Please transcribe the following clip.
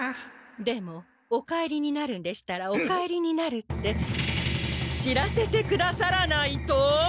でもお帰りになるんでしたらお帰りになるって知らせてくださらないと！